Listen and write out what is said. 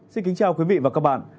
xin kính chào quý vị và các bạn